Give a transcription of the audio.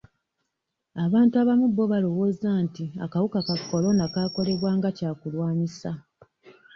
Abantu abamu bo balowooza nti akawuka ka Corona kaakolebwa nga kyakulwanisa.